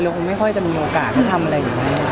เลยผมไม่ค่อยจะมีโอกาสก็ทำเลย